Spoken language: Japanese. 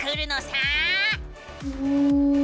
うん。